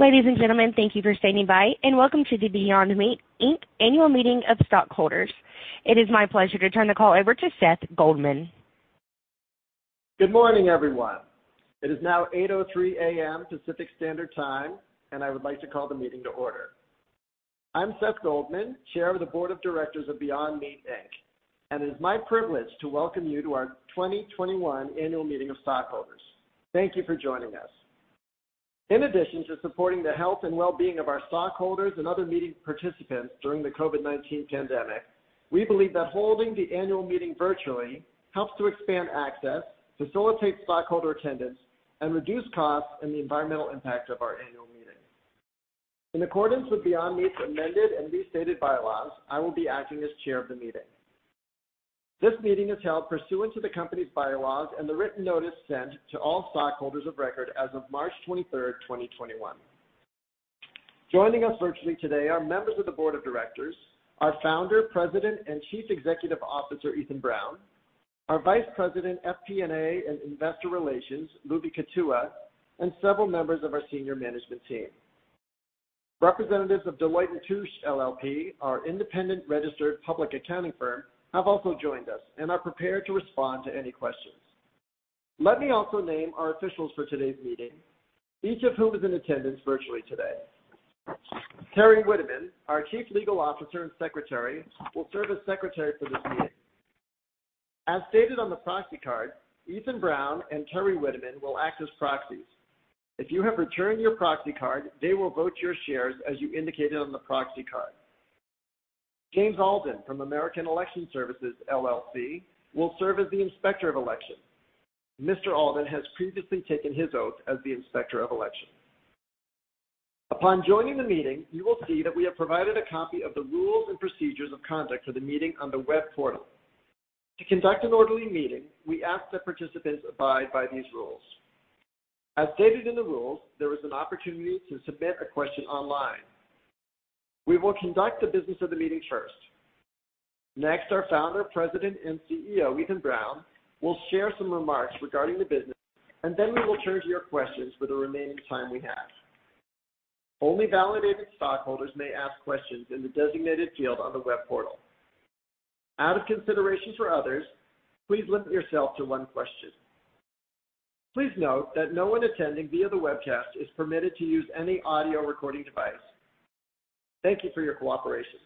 Ladies and gentlemen, thank you for standing by, and welcome to the Beyond Meat, Inc. Annual Meeting of Stockholders. It is my pleasure to turn the call over to Seth Goldman. Good morning, everyone. It is now 8:03 A.M. Pacific Standard Time, and I would like to call the meeting to order. I'm Seth Goldman, Chair of the Board of Directors of Beyond Meat, Inc., and it is my privilege to welcome you to our 2021 Annual Meeting of Stockholders. Thank you for joining us. In addition to supporting the health and well-being of our stockholders and other meeting participants during the COVID-19 pandemic, we believe that holding the annual meeting virtually helps to expand access, facilitate stockholder attendance, and reduce costs and the environmental impact of our annual meeting. In accordance with Beyond Meat's amended and restated bylaws, I will be acting as Chair of the meeting. This meeting is held pursuant to the company's bylaws and the written notice sent to all stockholders of record as of March 23rd, 2021. Joining us virtually today are Members of the Board of Directors, our Founder, President, and Chief Executive Officer, Ethan Brown, our Vice President, FP&A, and Investor Relations, Lubi Kutua, and several members of our senior management team. Representatives of Deloitte & Touche LLP, our independent registered public accounting firm, have also joined us and are prepared to respond to any questions. Let me also name our officials for today's meeting, each of whom is in attendance virtually today. Teri Witteman, our Chief Legal Officer and Secretary, will serve as Secretary for this meeting. As stated on the proxy card, Ethan Brown and Teri Witteman will act as proxies. If you have returned your proxy card, they will vote your shares as you indicated on the proxy card. James Alden from American Election Services, LLC will serve as the Inspector of Elections. Mr. Alden has previously taken his oath as the Inspector of Elections. Upon joining the meeting, you will see that we have provided a copy of the rules and procedures of conduct for the meeting on the web portal. To conduct an orderly meeting, we ask that participants abide by these rules. As stated in the rules, there is an opportunity to submit a question online. We will conduct the business of the meeting first. Next, our Founder, President, and CEO, Ethan Brown, will share some remarks regarding the business, and then we will turn to your questions for the remaining time we have. Only validated stockholders may ask questions in the designated field on the web portal. Out of consideration for others, please limit yourself to one question. Please note that no one attending via the webcast is permitted to use any audio recording device. Thank you for your cooperation.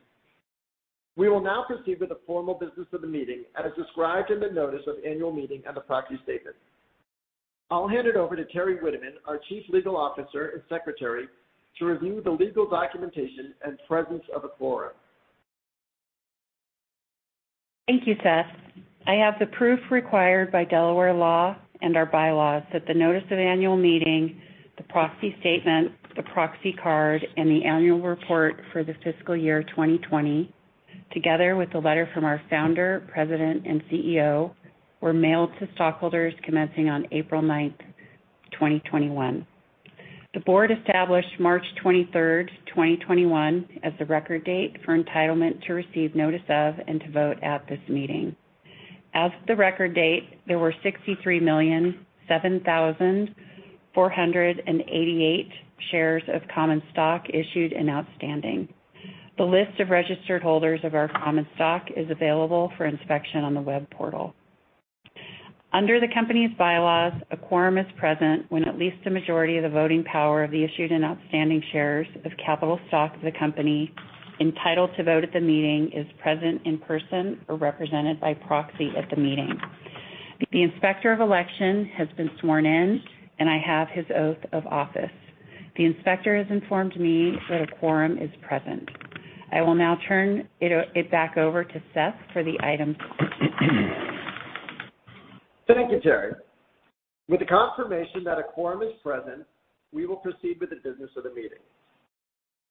We will now proceed with the formal business of the meeting as described in the notice of annual meeting and the proxy statement. I'll hand it over to Teri Witteman, our Chief Legal Officer and Secretary, to review the legal documentation and presence of a quorum. Thank you, Seth. I have the proof required by Delaware law and our bylaws that the notice of annual meeting, the proxy statement, the proxy card, and the annual report for the fiscal year 2020, together with a letter from our Founder, President, and CEO, were mailed to stockholders commencing on April 9th, 2021. The board established March 23rd, 2021, as the record date for entitlement to receive notice of and to vote at this meeting. As of the record date, there were 63,007,488 shares of common stock issued and outstanding. The list of registered holders of our common stock is available for inspection on the web portal. Under the company's bylaws, a quorum is present when at least the majority of the voting power of the issued and outstanding shares of capital stock of the company entitled to vote at the meeting is present in person or represented by proxy at the meeting. The Inspector of Elections has been sworn in, and I have his oath of office. The inspector has informed me that a quorum is present. I will now turn it back over to Seth for the item. Thank you, Teri. With the confirmation that a quorum is present, we will proceed with the business of the meeting.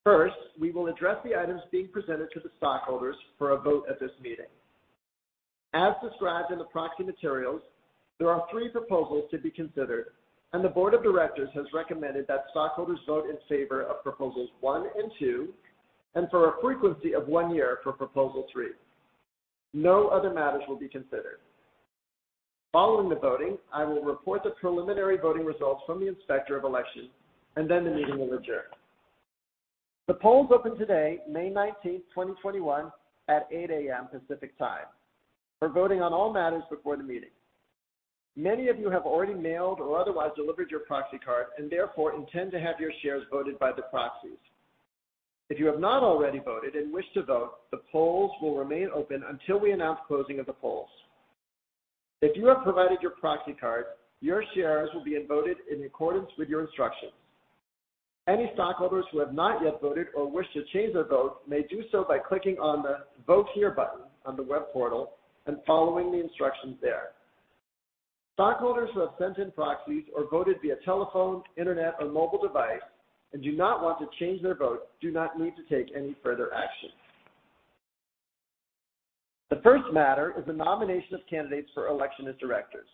First, we will address the items being presented to the stockholders for a vote at this meeting. As described in the proxy materials, there are three proposals to be considered, and the Board of Directors has recommended that stockholders vote in favor of proposals one and two, and for a frequency of one year for proposal three. No other matters will be considered. Following the voting, I will report the preliminary voting results from the Inspector of Elections, and then the meeting will adjourn. The polls opened today, May 19th, 2021, at 8:00 A.M. Pacific Time for voting on all matters before the meeting. Many of you have already mailed or otherwise delivered your proxy card and therefore intend to have your shares voted by the proxies. If you have not already voted and wish to vote, the polls will remain open until we announce closing of the polls. If you have provided your proxy card, your shares will be voted in accordance with your instructions. Any stockholders who have not yet voted or wish to change their vote may do so by clicking on the Vote Here button on the web portal and following the instructions there. Stockholders who have sent in proxies or voted via telephone, internet, or mobile device and do not want to change their vote do not need to take any further action. The first matter is the nomination of candidates for election as directors.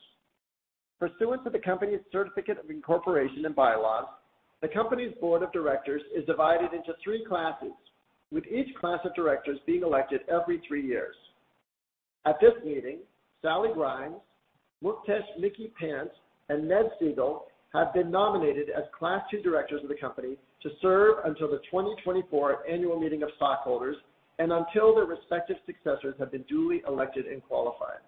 Pursuant to the company's certificate of incorporation and bylaws, the company's Board of Directors is divided into three classes, with each class of directors being elected every three years. At this meeting, Sally Grimes, Muktesh "Micky" Pant, and Ned Segal have been nominated as Class II Directors of the company to serve until the 2024 Annual Meeting of Stockholders and until their respective successors have been duly elected and qualified.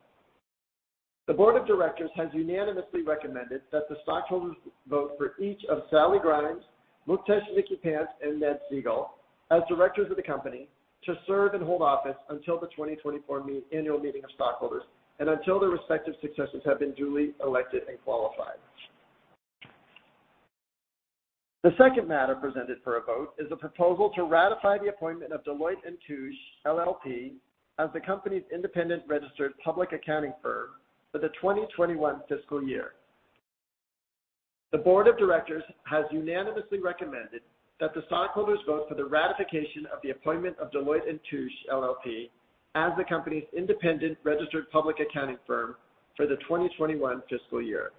The Board of Directors has unanimously recommended that the stockholders vote for each of Sally Grimes, Muktesh "Micky" Pant, and Ned Segal as Directors of the company to serve and hold office until the 2024 Annual Meeting of Stockholders and until their respective successors have been duly elected and qualified. The second matter presented for a vote is the proposal to ratify the appointment of Deloitte & Touche LLP as the company's independent registered public accounting firm for the 2021 fiscal year. The Board of Directors has unanimously recommended that the stockholders vote for the ratification of the appointment of Deloitte & Touche LLP as the company's independent registered public accounting firm for the 2021 fiscal year.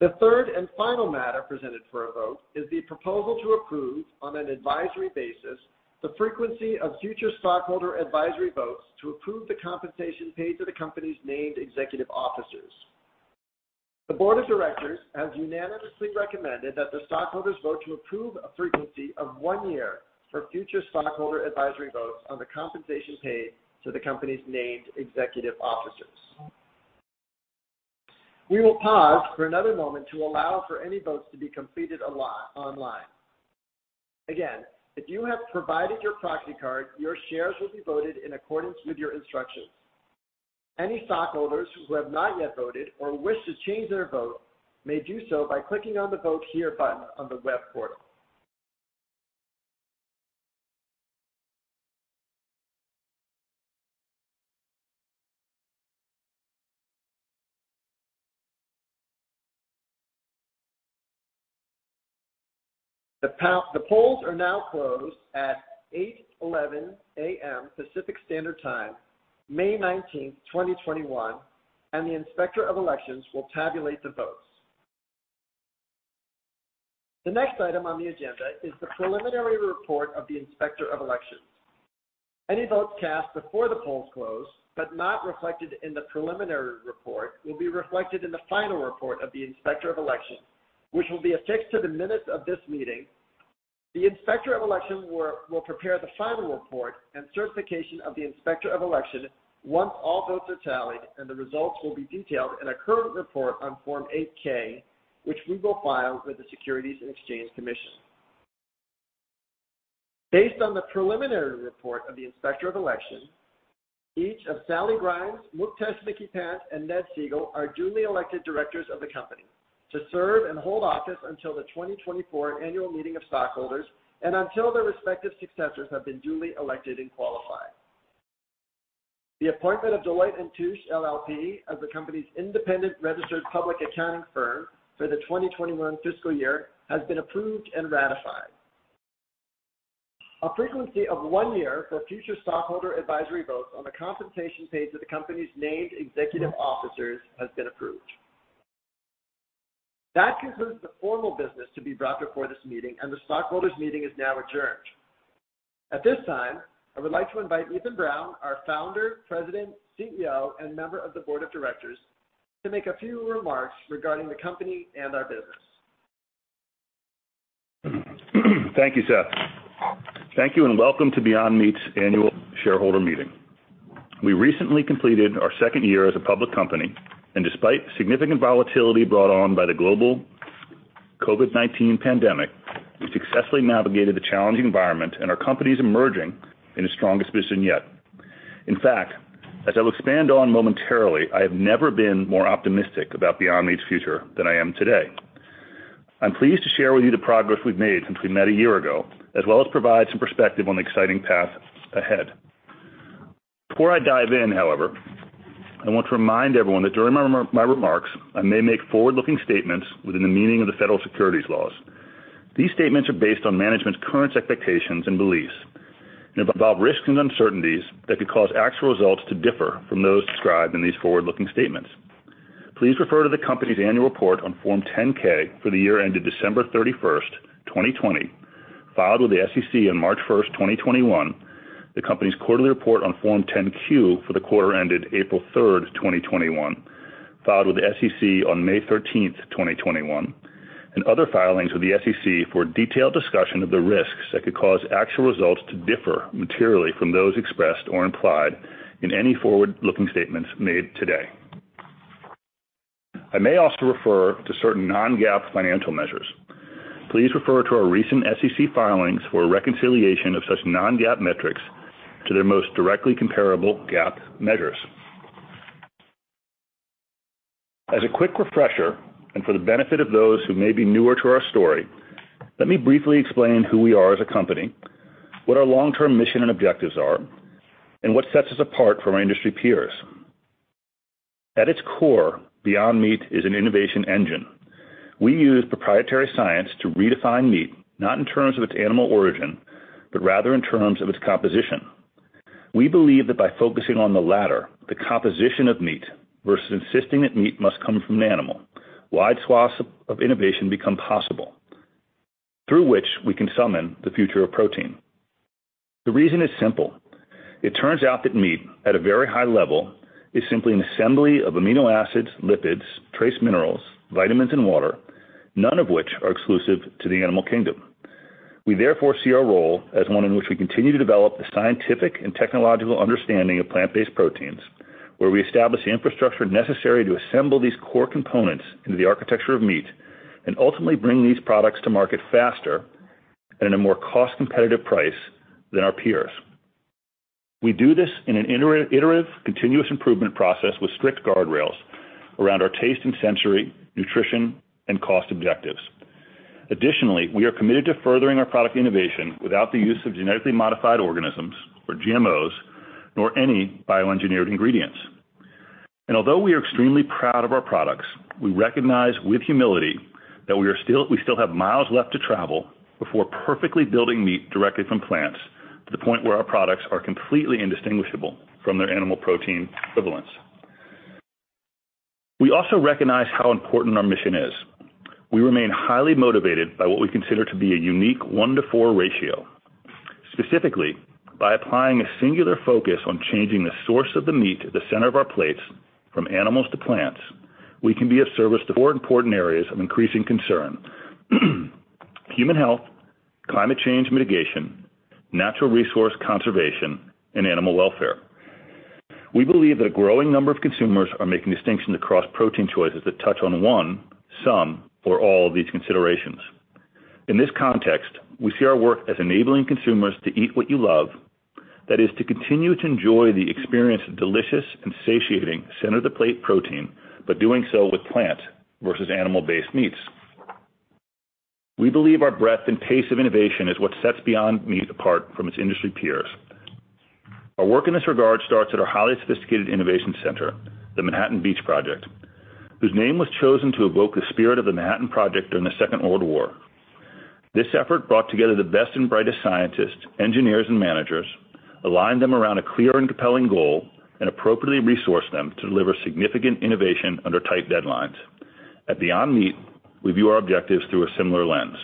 The third and final matter presented for a vote is the proposal to approve, on an advisory basis, the frequency of future stockholder advisory votes to approve the compensation paid to the company's named executive officers. The Board of Directors has unanimously recommended that the stockholders vote to approve a frequency of one year for future stockholder advisory votes on the compensation paid to the company's named executive officers. We will pause for another moment to allow for any votes to be completed online. Again, if you have provided your proxy card, your shares will be voted in accordance with your instructions. Any stockholders who have not yet voted or wish to change their vote may do so by clicking on the Vote Here button on the web portal. The polls are now closed at 8:11 AM Pacific Standard Time, May 19th, 2021, and the Inspector of Elections will tabulate the votes. The next item on the agenda is the preliminary report of the Inspector of Elections. Any votes cast before the polls close, but not reflected in the preliminary report, will be reflected in the final report of the Inspector of Elections, which will be affixed to the minutes of this meeting. The Inspector of Elections will prepare the final report and certification of the Inspector of Elections once all votes are tallied, and the results will be detailed in a current report on Form 8-K, which we will file with the Securities and Exchange Commission. Based on the preliminary report of the Inspector of Elections, each of Sally Grimes, Muktesh "Micky" Pant, and Ned Segal are duly elected Directors of the company to serve and hold office until the 2024 Annual Meeting of Stockholders and until their respective successors have been duly elected and qualified. The appointment of Deloitte & Touche LLP as the company's independent registered public accounting firm for the 2021 fiscal year has been approved and ratified. A frequency of one year for future stockholder advisory votes on the compensation paid to the company's named executive officers has been approved. That concludes the formal business to be brought before this meeting, and the stockholders meeting is now adjourned. At this time, I would like to invite Ethan Brown, our Founder, President, CEO, and member of the Board of Directors, to make a few remarks regarding the company and our business. Thank you, Seth. Thank you, and welcome to Beyond Meat's Annual Shareholder meeting. We recently completed our second year as a public company, and despite significant volatility brought on by the global COVID-19 pandemic, we successfully navigated a challenging environment, and our company is emerging in its strongest position yet. In fact, as I'll expand on momentarily, I have never been more optimistic about Beyond Meat's future than I am today. I'm pleased to share with you the progress we've made since we met a year ago, as well as provide some perspective on the exciting path ahead. Before I dive in, however, I want to remind everyone that during my remarks, I may make forward-looking statements within the meaning of the federal securities laws. These statements are based on management's current expectations and beliefs and involve risks and uncertainties that could cause actual results to differ from those described in these forward-looking statements. Please refer to the company's annual report on Form 10-K for the year ended December 31st, 2020, filed with the SEC on March 1st, 2021, the company's quarterly report on Form 10-Q for the quarter ended April 3rd, 2021, filed with the SEC on May 13th, 2021, and other filings with the SEC for a detailed discussion of the risks that could cause actual results to differ materially from those expressed or implied in any forward-looking statements made today. I may also refer to certain non-GAAP financial measures. Please refer to our recent SEC filings for a reconciliation of such non-GAAP metrics to their most directly comparable GAAP measures. As a quick refresher, and for the benefit of those who may be newer to our story, let me briefly explain who we are as a company, what our long-term mission and objectives are, and what sets us apart from our industry peers. At its core, Beyond Meat is an innovation engine. We use proprietary science to redefine meat, not in terms of its animal origin, but rather in terms of its composition. We believe that by focusing on the latter, the composition of meat, versus insisting that meat must come from an animal, wide swaths of innovation become possible through which we can summon the future of protein. The reason is simple. It turns out that meat, at a very high level, is simply an assembly of amino acids, lipids, trace minerals, vitamins, and water, none of which are exclusive to the animal kingdom. We therefore see our role as one in which we continue to develop the scientific and technological understanding of plant-based proteins, where we establish the infrastructure necessary to assemble these core components into the architecture of meat and ultimately bring these products to market faster and at a more cost-competitive price than our peers. We do this in an iterative continuous improvement process with strict guardrails around our taste and sensory, nutrition, and cost objectives. Additionally, we are committed to furthering our product innovation without the use of genetically modified organisms, or GMOs, nor any bioengineered ingredients. Although we are extremely proud of our products, we recognize with humility that we still have miles left to travel before perfectly building meat directly from plants to the point where our products are completely indistinguishable from their animal protein equivalents. We also recognize how important our mission is. We remain highly motivated by what we consider to be a unique one to four ratio. Specifically, by applying a singular focus on changing the source of the meat at the center of our plates from animals to plants, we can be of service to four important areas of increasing concern: human health, climate change mitigation, natural resource conservation, and animal welfare. We believe a growing number of consumers are making distinctions across protein choices that touch on one, some, or all of these considerations. In this context, we see our work as enabling consumers to eat what you love. That is, to continue to enjoy the experience of delicious and satiating center-of-the-plate protein, but doing so with plant versus animal-based meats. We believe our breadth and pace of innovation is what sets Beyond Meat apart from its industry peers. Our work in this regard starts at our highly sophisticated innovation center, the Manhattan Beach Project, whose name was chosen to evoke the spirit of the Manhattan Project during the Second World War. This effort brought together the best and brightest scientists, engineers, and managers, aligned them around a clear and compelling goal, and appropriately resourced them to deliver significant innovation under tight deadlines. At Beyond Meat, we view our objectives through a similar lens.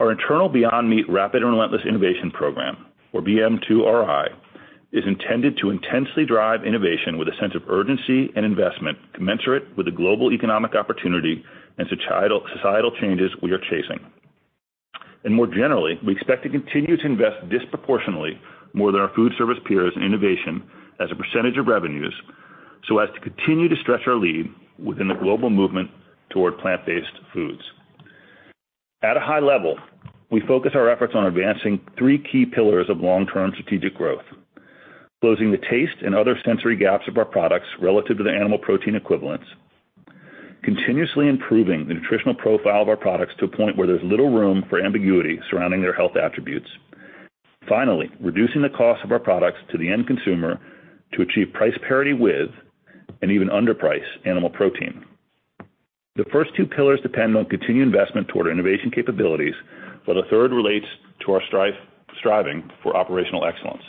Our internal Beyond Meat Rapid and Relentless Innovation program, or BM2RI, is intended to intensely drive innovation with a sense of urgency and investment commensurate with the global economic opportunity and societal changes we are chasing. More generally, we expect to continue to invest disproportionately more than our food service peers in innovation as a percentage of revenues, so as to continue to stretch our lead within the global movement toward plant-based foods. At a high level, we focus our efforts on advancing three key pillars of long-term strategic growth, closing the taste and other sensory gaps of our products relative to the animal protein equivalents. Continuously improving the nutritional profile of our products to a point where there's little room for ambiguity surrounding their health attributes. Finally, reducing the cost of our products to the end consumer to achieve price parity with, and even underprice animal protein. The first two pillars depend on continued investment toward our innovation capabilities, while the third relates to our striving for operational excellence.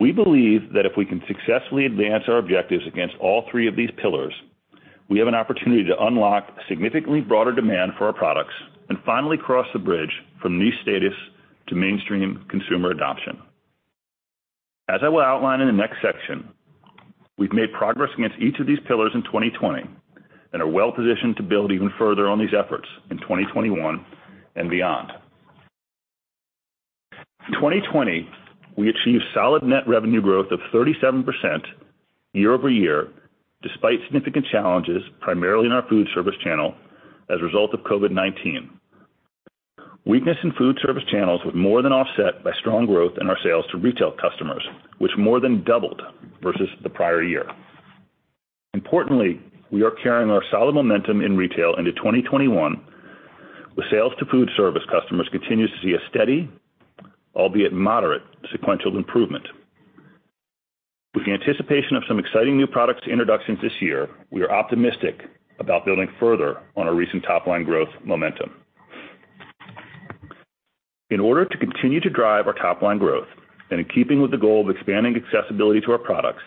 We believe that if we can successfully advance our objectives against all three of these pillars, we have an opportunity to unlock significantly broader demand for our products and finally cross the bridge from niche status to mainstream consumer adoption. As I will outline in the next section, we've made progress against each of these pillars in 2020 and are well-positioned to build even further on these efforts in 2021 and beyond. In 2020, we achieved solid net revenue growth of 37% year-over-year, despite significant challenges, primarily in our food service channel as a result of COVID-19. Weakness in food service channels was more than offset by strong growth in our sales to retail customers, which more than doubled versus the prior-year. Importantly, we are carrying our solid momentum in retail into 2021, with sales to food service customers continuing to see a steady, albeit moderate, sequential improvement. With the anticipation of some exciting new product introductions this year, we are optimistic about building further on our recent top-line growth momentum. In order to continue to drive our top-line growth, and in keeping with the goal of expanding accessibility to our products,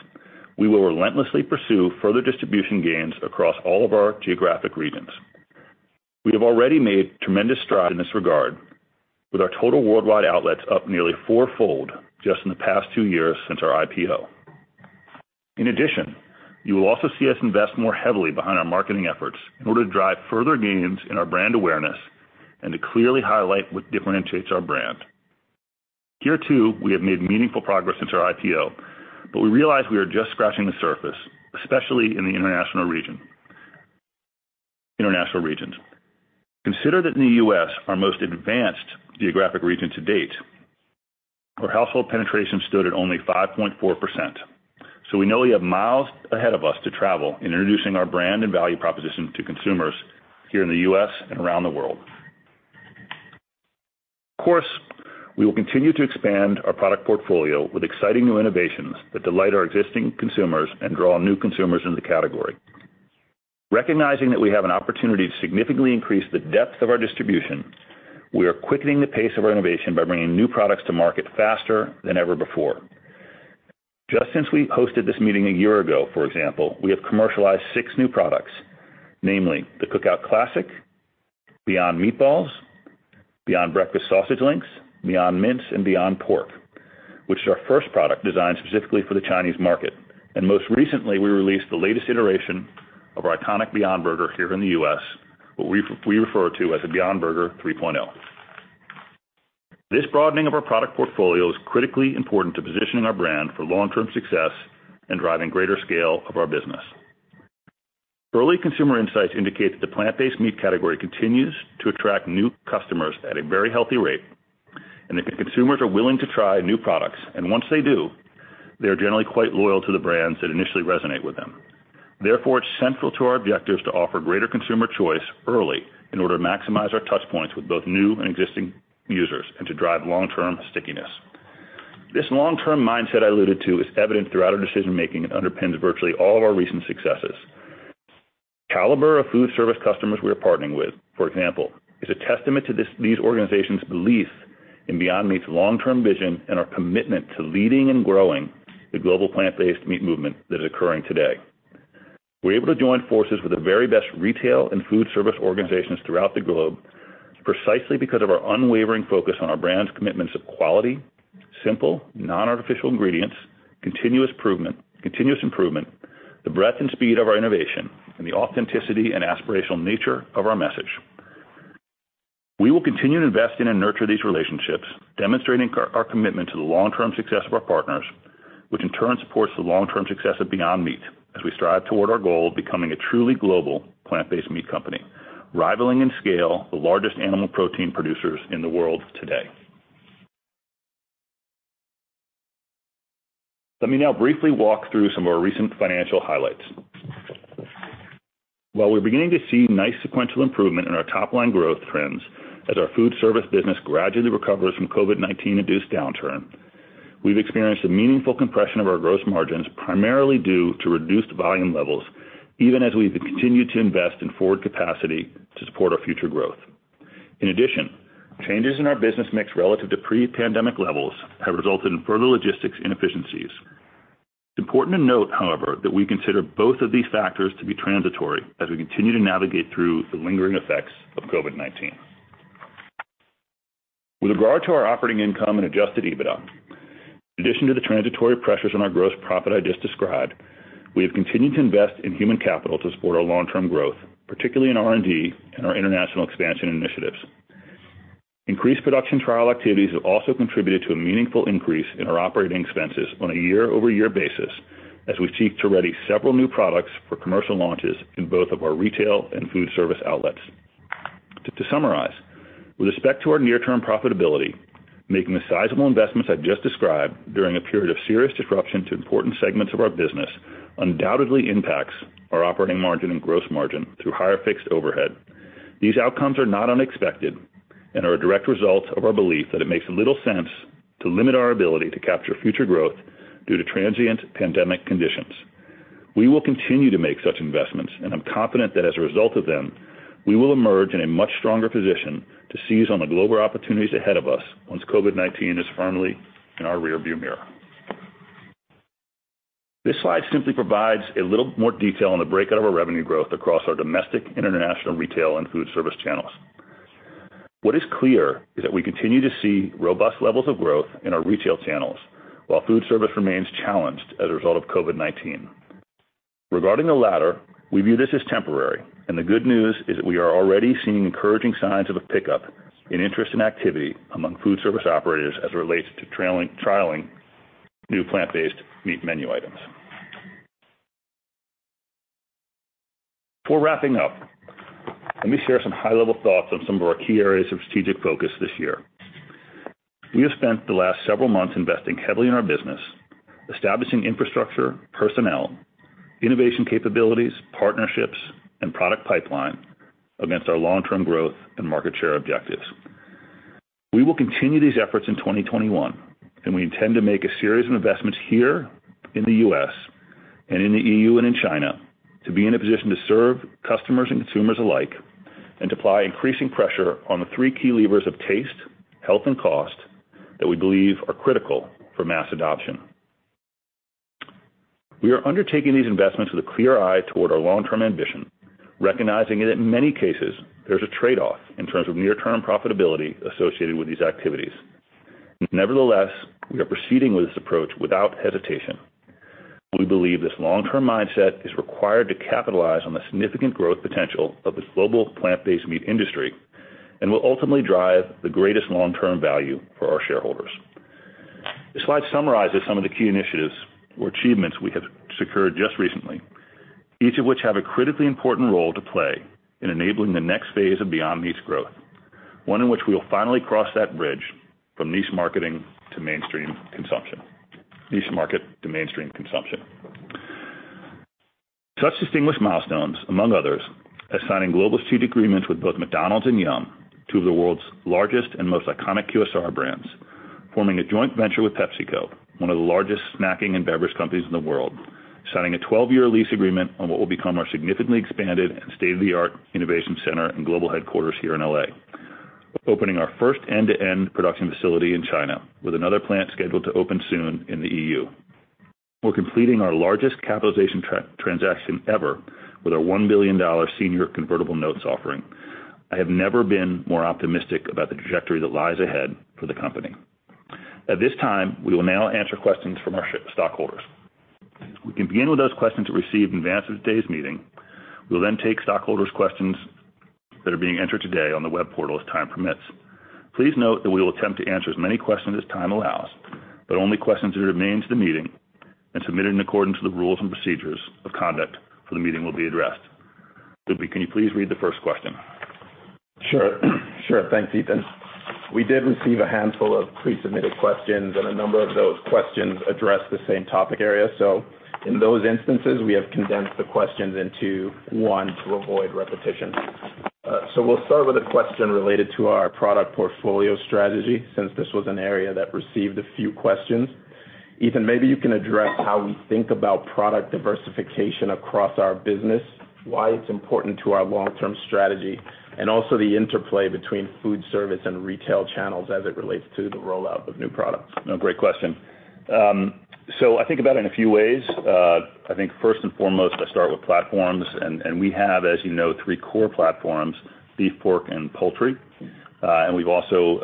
we will relentlessly pursue further distribution gains across all of our geographic regions. We have already made tremendous strides in this regard, with our total worldwide outlets up nearly fourfold just in the past two years since our IPO. You will also see us invest more heavily behind our marketing efforts in order to drive further gains in our brand awareness and to clearly highlight what differentiates our brand. Year two, we have meaningful progress at our IPO, but we realize we are just scratching the surface, especially in the international regions. Consider that in the U.S., our most advanced geographic region-to-date, our household penetration stood at only 5.4%. We know we have miles ahead of us to travel introducing our brand and value proposition to consumers here in the U.S. and around the world. Of course, we will continue to expand our product portfolio with exciting new innovations that delight our existing consumers and draw new consumers into the category. Recognizing that we have an opportunity to significantly increase the depth of our distribution, we are quickening the pace of our innovation by bringing new products to market faster than ever before. Just since we hosted this meeting a year ago, for example, we have commercialized six new products, namely the Cookout Classic, Beyond Meatballs, Beyond Breakfast Sausage Links, Beyond Mince, and Beyond Pork, which is our first product designed specifically for the Chinese market. Most recently, we released the latest iteration of our iconic Beyond Burger here in the U.S., what we refer to as a Beyond Burger 3.0. This broadening of our product portfolio is critically important to positioning our brand for long-term success and driving greater scale of our business. Early consumer insights indicate that the plant-based meat category continues to attract new customers at a very healthy rate, and that the consumers are willing to try new products, and once they do, they're generally quite loyal to the brands that initially resonate with them. Therefore, it's central to our objectives to offer greater consumer choice early in order to maximize our touchpoints with both new and existing users and to drive long-term stickiness. This long-term mindset I alluded to is evident throughout our decision-making and underpins virtually all of our recent successes. Caliber of food service customers we are partnering with, for example, is a testament to these organizations' belief in Beyond Meat's long-term vision and our commitment to leading and growing the global plant-based meat movement that is occurring today. We're able to join forces with the very best retail and food service organizations throughout the globe precisely because of our unwavering focus on our brand's commitments of quality, simple, non-artificial ingredients, continuous improvement, the breadth and speed of our innovation, and the authenticity and aspirational nature of our message. We will continue to invest in and nurture these relationships, demonstrating our commitment to the long-term success of our partners, which in turn supports the long-term success of Beyond Meat as we strive toward our goal of becoming a truly global plant-based meat company, rivaling in scale the largest animal protein producers in the world today. Let me now briefly walk through some of our recent financial highlights. While we're beginning to see nice sequential improvement in our top-line growth trends as our food service business gradually recovers from COVID-19-induced downturn, we've experienced a meaningful compression of our gross margins primarily due to reduced volume levels, even as we've continued to invest in forward capacity to support our future growth. In addition, changes in our business mix relative to pre-pandemic levels have resulted in further logistics inefficiencies. It's important to note, however, that we consider both of these factors to be transitory as we continue to navigate through the lingering effects of COVID-19. With regard to our operating income and adjusted EBITDA, in addition to the transitory pressures on our gross profit I just described, we have continued to invest in human capital to support our long-term growth, particularly in R&D and our international expansion initiatives. Increased production trial activities have also contributed to a meaningful increase in our operating expenses on a year-over-year basis as we seek to ready several new products for commercial launches in both of our retail and food service outlets. To summarize, with respect to our near-term profitability, making the sizable investments I've just described during a period of serious disruption to important segments of our business undoubtedly impacts our operating margin and gross margin through higher fixed overhead. These outcomes are not unexpected and are a direct result of our belief that it makes little sense to limit our ability to capture future growth due to transient pandemic conditions. We will continue to make such investments, and I'm confident that as a result of them, we will emerge in a much stronger position to seize on the global opportunities ahead of us once COVID-19 is firmly in our rearview mirror. This slide simply provides a little more detail on the breakout of our revenue growth across our domestic, international retail, and food service channels. What is clear is that we continue to see robust levels of growth in our retail channels, while food service remains challenged as a result of COVID-19. Regarding the latter, we view this as temporary, and the good news is that we are already seeing encouraging signs of a pickup in interest and activity among food service operators as it relates to trialing new plant-based meat menu items. Before wrapping-up, let me share some high-level thoughts on some of our key areas of strategic focus this year. We have spent the last several months investing heavily in our business, establishing infrastructure, personnel, innovation capabilities, partnerships, and product pipeline against our long-term growth and market share objectives. We will continue these efforts in 2021, and we intend to make a series of investments here in the U.S. and in the E.U. and in China to be in a position to serve customers and consumers alike and to apply increasing pressure on the three key levers of taste, health, and cost that we believe are critical for mass adoption. We are undertaking these investments with a clear eye toward our long-term ambition, recognizing that in many cases, there's a trade-off in terms of near-term profitability associated with these activities. Nevertheless, we are proceeding with this approach without hesitation. We believe this long-term mindset is required to capitalize on the significant growth potential of this global plant-based meat industry and will ultimately drive the greatest long-term value for our shareholders. This slide summarizes some of the key initiatives or achievements we have secured just recently, each of which have a critically important role to play in enabling the next phase of Beyond Meat's growth, one in which we'll finally cross that bridge from niche market to mainstream consumption. Such distinguished milestones, among others, as signing global seat agreements with both McDonald's and Yum!, two of the world's largest and most iconic QSR brands, forming a joint venture with PepsiCo, one of the largest snacking and beverage companies in the world, signing a 12-year lease agreement on what will become our significantly expanded and state-of-the-art innovation center and global headquarters here in L.A. Opening our first end-to-end production facility in China, with another plant scheduled to open soon in the E.U. We're completing our largest capitalization transaction ever with our $1 billion senior convertible notes offering. I have never been more optimistic about the trajectory that lies ahead for the company. At this time, we will now answer questions from our stockholders. We can begin with those questions we received in advance of today's meeting. We will then take stockholders' questions that are being entered today on the web portal as time permits. Please note that we will attempt to answer as many questions as time allows, but only questions that remain to the meeting and submitted in accordance with the rules and procedures of conduct for the meeting will be addressed. Lubi, can you please read the first question? Sure, thanks, Ethan. We did receive a handful of pre-submitted questions, and a number of those questions address the same topic area. In those instances, we have condensed the questions into one to avoid repetition. We'll start with a question related to our product portfolio strategy, since this was an area that received a few questions. Ethan, maybe you can address how we think about product diversification across our business, why it's important to our long-term strategy, and also the interplay between food service and retail channels as it relates to the rollout of new products. No, great question. I think about it in a few ways. I think first and foremost, I start with platforms, and we have, as you know, three core platforms, beef, pork, and poultry. We've also,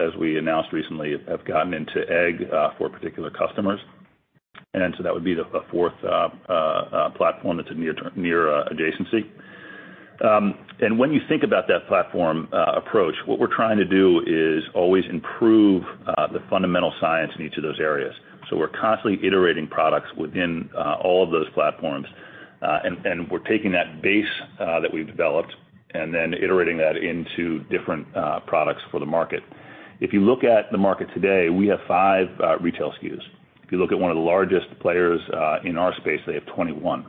as we announced recently, have gotten into egg for particular customers. That would be the fourth platform that's a near adjacency. When you think about that platform approach, what we're trying to do is always improve the fundamental science in each of those areas. We're constantly iterating products within all of those platforms. We're taking that base that we've developed and then iterating that into different products for the market. If you look at the market today, we have five retail SKUs. If you look at one of the largest players in our space, they have 21.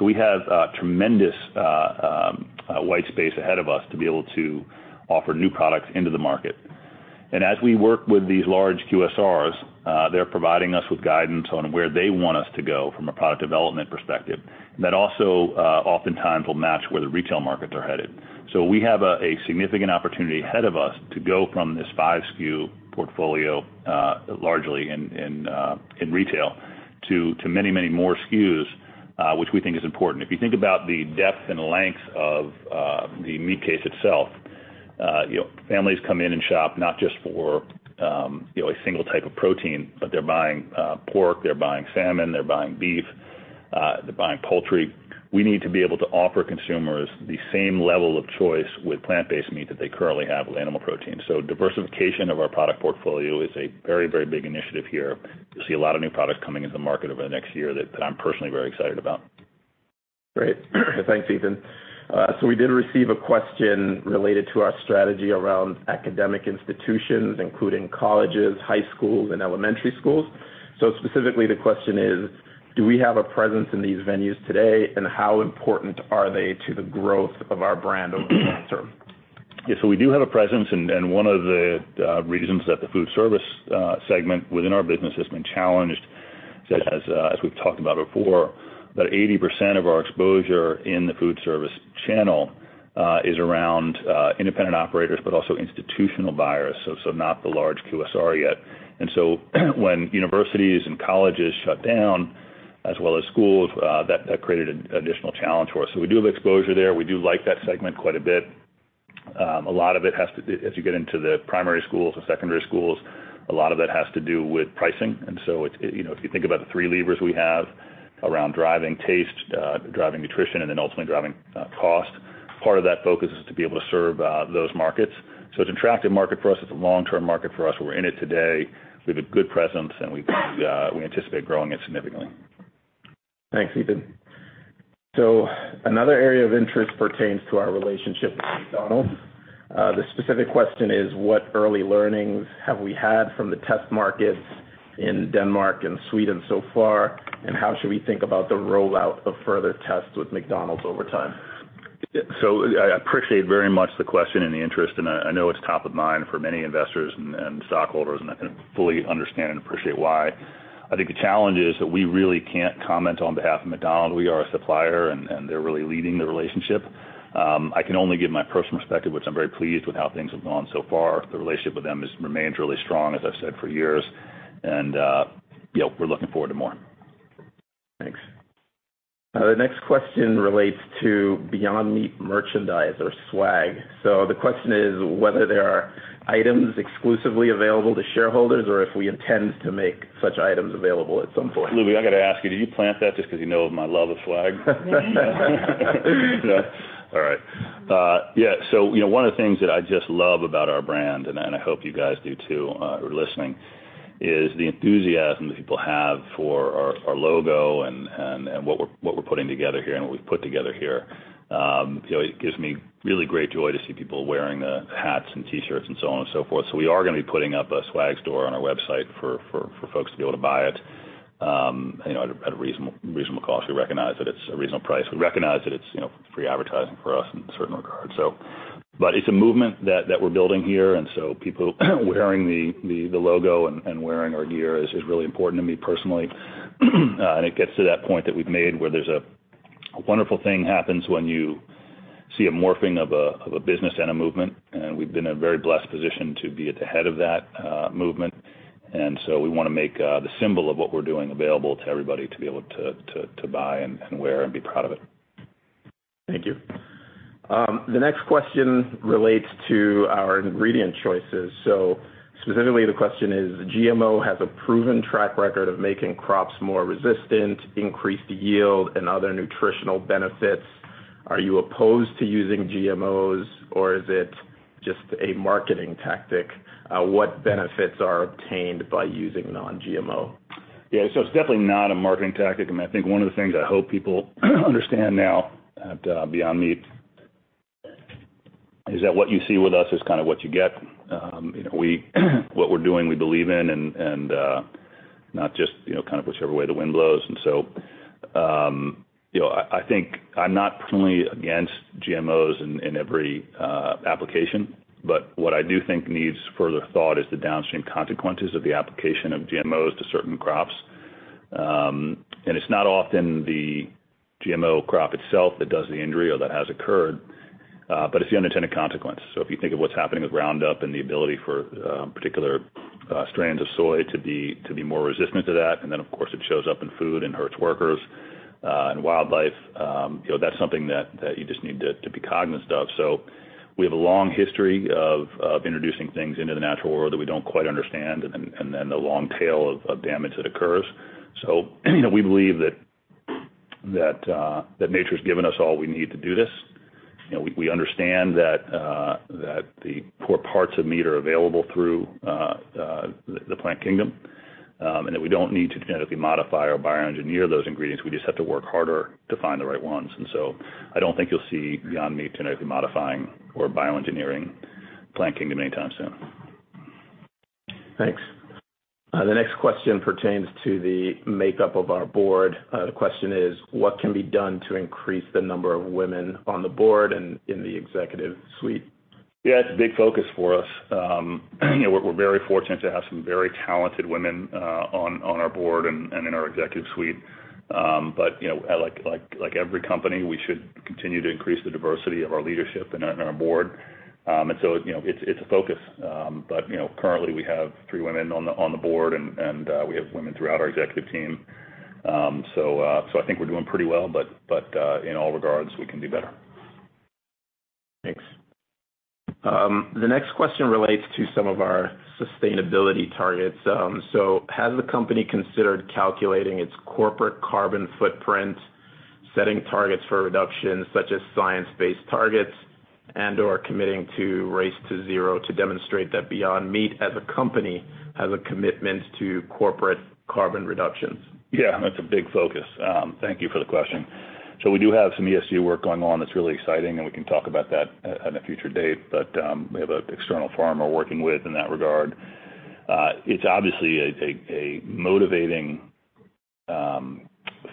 We have tremendous white space ahead of us to be able to offer new products into the market. As we work with these large QSRs, they're providing us with guidance on where they want us to go from a product development perspective. That also oftentimes will match where the retail markets are headed. We have a significant opportunity ahead of us to go from this five-SKU portfolio, largely in retail, to many, many more SKUs, which we think is important. If you think about the depth and length of the meat case itself, families come in and shop not just for a single type of protein, but they're buying pork, they're buying salmon, they're buying beef, they're buying poultry. We need to be able to offer consumers the same level of choice with plant-based meat that they currently have with animal protein. Diversification of our product portfolio is a very, very big initiative here. You'll see a lot of new products coming into the market over the next year that I'm personally very excited about. Great. Thanks, Ethan. We did receive a question related to our strategy around academic institutions, including colleges, high schools, and elementary schools. Specifically, the question is, do we have a presence in these venues today, and how important are they to the growth of our brand over the long-term? We do have a presence, and one of the reasons that the food service segment within our business has been challenged, as we've talked about before, about 80% of our exposure in the food service channel is around independent operators, but also institutional buyers, not the large QSR yet. When universities and colleges shut down, as well as schools, that created an additional challenge for us. We do have exposure there. We do like that segment quite a bit. As you get into the primary schools, the secondary schools, a lot of that has to do with pricing. If you think about the three levers we have around driving taste, driving nutrition, and ultimately driving cost, part of that focus is to be able to serve those markets. It's an attractive market for us. It's a long-term market for us. We're in it today. We have a good presence, and we anticipate growing it significantly. Thanks, Ethan. Another area of interest pertains to our relationship with McDonald's. The specific question is, what early learnings have we had from the test markets in Denmark and Sweden so far, and how should we think about the rollout of further tests with McDonald's over time? I appreciate very much the question and the interest, and I know it's top of mind for many investors and stockholders, and I fully understand and appreciate why. I think the challenge is that we really can't comment on behalf of McDonald's. We are a supplier, and they're really leading the relationship. I can only give my personal perspective, which I'm very pleased with how things have gone so far. The relationship with them has remained really strong, as I've said for years, and we're looking forward to more. Thanks. The next question relates to Beyond Meat merchandise or swag. The question is whether there are items exclusively available to shareholders or if we intend to make such items available at some point. Lubi, I got to ask you, did you plant that just because you know of my love of swag. All right. One of the things that I just love about our brand, and I hope you guys do too who are listening, is the enthusiasm that people have for our logo and what we're putting together here and what we've put together here. It gives me really great joy to see people wearing the Hats and T-shirts and so on and so forth. We are going to be putting up a swag store on our website for folks to be able to buy it at a reasonable cost. We recognize that it's a reasonable price. We recognize that it's free advertising for us in a certain regard. It's a movement that we're building here, and so people wearing the logo and wearing our gear is really important to me personally. It gets to that point that we've made where there's a wonderful thing happens when you see a morphing of a business and a movement, and we've been in a very blessed position to be at the head of that movement. We want to make the symbol of what we're doing available to everybody to be able to buy and wear and be proud of it. Thank you. The next question relates to our ingredient choices. Specifically, the question is, GMO has a proven track record of making crops more resistant, increased yield, and other nutritional benefits. Are you opposed to using GMOs, or is it just a marketing tactic? What benefits are obtained by using non-GMO? Yeah. It's definitely not a marketing tactic, and I think one of the things I hope people understand now at Beyond Meat is that what you see with us is what you get. What we're doing, we believe in, and not just whichever way the wind blows. I think I'm not personally against GMOs in every application, but what I do think needs further thought is the downstream consequences of the application of GMOs to certain crops. It's not often the GMO crop itself that does the injury or that has occurred, but it's the unintended consequences. If you think of what's happening with Roundup and the ability for particular strains of soy to be more resistant to that, and then of course it shows up in food and hurts workers and wildlife, that's something that you just need to be cognizant of. We have a long history of introducing things into the natural world that we don't quite understand, and then the long tail of damage that occurs. We believe that nature's given us all we need to do this, and we understand that the parts of meat are available through the plant kingdom, and that we don't need to genetically modify or bioengineer those ingredients. We just have to work harder to find the right ones. I don't think you'll see Beyond Meat genetically modifying or bioengineering plant kingdom any time soon. Thanks. The next question pertains to the makeup of our Board. The question is, what can be done to increase the number of women on the Board and in the Executive Suite? Yeah, it's a big focus for us. We're very fortunate to have some very talented women on our Board and in our Executive Suite. Like every company, we should continue to increase the diversity of our leadership and our Board. It's a focus. Currently, we have three women on the Board, and we have women throughout our executive team. I think we're doing pretty well, but in all regards, we can do better. Thanks. The next question relates to some of our sustainability targets. Has the company considered calculating its corporate carbon footprint, setting targets for reduction, such as science-based targets and/or committing to Race to Zero to demonstrate that Beyond Meat as a company has a commitment to corporate carbon reductions? Yeah, that's a big focus. Thank you for the question. We do have some ESG work going on that's really exciting, and we can talk about that at a future date. We have an external firm we're working with in that regard. It's obviously a motivating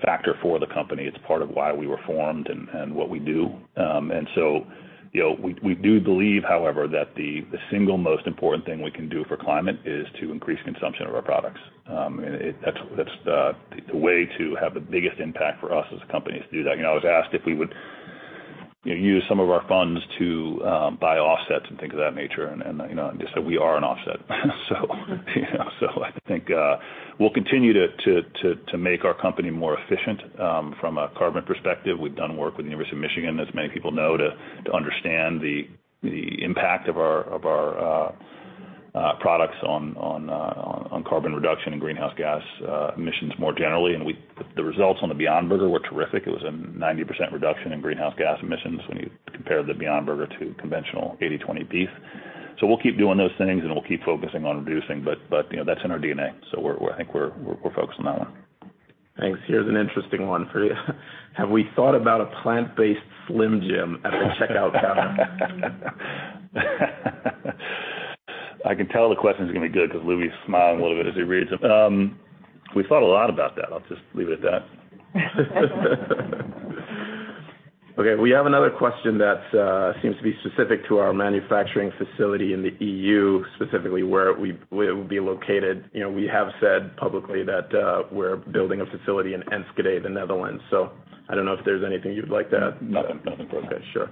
factor for the company. It's part of why we were formed and what we do. We do believe, however, that the single most important thing we can do for climate is to increase consumption of our products. That's the way to have the biggest impact for us as a company is to do that. I was asked if we would use some of our funds to buy offsets and things of that nature, and I just said we are an offset. I think we'll continue to make our company more efficient from a carbon perspective. We've done work with the University of Michigan, as many people know, to understand the impact of our products on carbon reduction and greenhouse gas emissions more generally. The results on the Beyond Burger were terrific. It was a 90% reduction in greenhouse gas emissions when you compare the Beyond Burger to conventional 80/20 beef. We'll keep doing those things, and we'll keep focusing on reducing, but that's in our DNA. I think we're focused on that one. Thanks. Here's an interesting one for you. Have we thought about a plant-based Slim Jim? I can tell the question's going to be good because Lubi is smiling a little bit as he reads it. We thought a lot about that. I'll just leave it at that. We have another question that seems to be specific to our manufacturing facility in the E.U., specifically where it will be located. We have said publicly that we're building a facility in Enschede, the Netherlands. I don't know if there's anything you'd like to add. No, that's it. [Sure.]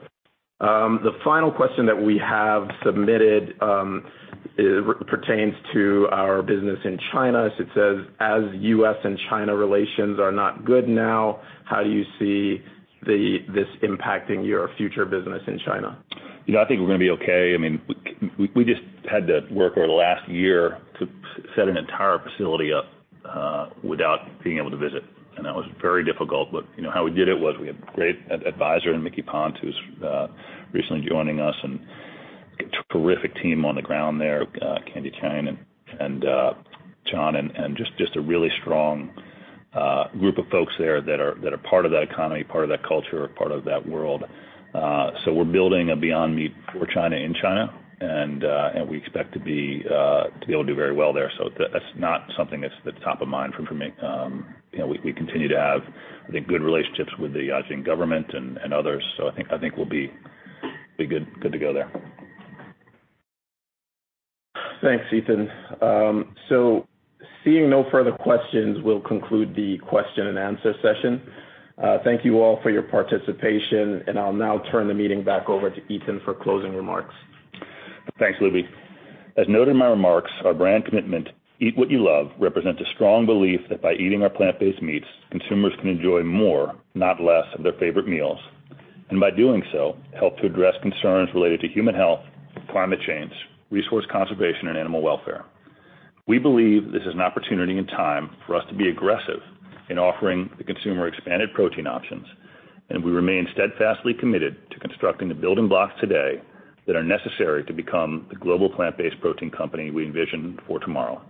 The final question that we have submitted pertains to our business in China. It says, as U.S. and China relations are not good now, how do you see this impacting your future business in China? I think we're going to be okay. We just had to work over the last year to set an entire facility up without being able to visit, and that was very difficult. How we did it was we had a great advisor in Micky Pant, who's recently joining us, and a terrific team on the ground there, Candy Chan and John, and just a really strong group of folks there that are part of that economy, part of that culture, part of that world. We're building a Beyond Meat for China in China, and we expect to be able to do very well there. That's not something that's at the top of mind for me. We continue to have, I think, good relationships with the Asian government and others. I think we'll be good to go there. Thanks, Ethan. Seeing no further questions, we'll conclude the question and answer session. Thank you all for your participation. I'll now turn the meeting back over to Ethan for closing remarks. Thanks, Lubi. As noted in my remarks, our brand commitment, "Eat What You Love," represents a strong belief that by eating our plant-based meats, consumers can enjoy more, not less, of their favorite meals, and by doing so, help to address concerns related to human health, climate change, resource conservation, and animal welfare. We believe this is an opportunity and time for us to be aggressive in offering the consumer expanded protein options, and we remain steadfastly committed to constructing the building blocks today that are necessary to become the global plant-based protein company we envision for tomorrow.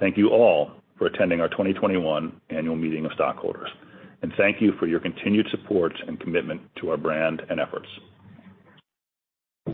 Thank you all for attending our 2021 annual meeting of stockholders, and thank you for your continued support and commitment to our brand and efforts.